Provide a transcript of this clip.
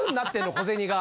小銭が。